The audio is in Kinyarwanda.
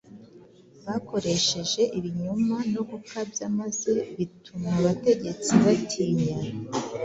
Bakoresheje ibinyoma no gukabya maze bituma abategetsi batinya